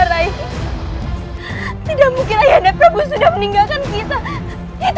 tidak mungkin ayah andamu sudah meninggalkan kita